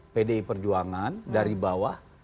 pdi perjuangan dari bawah